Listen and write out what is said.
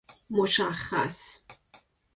مشخص